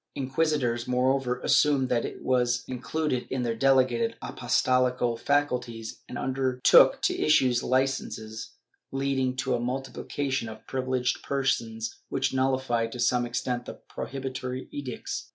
Inquisitors, moreover, assumed that this was included in their delegated apostolical faculties and undertook to issue licences, leading to a multiplication of privileged persons which nullified to some extent the prohibitory edicts.